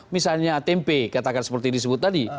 misalnya tempe katakan seperti disebut tadi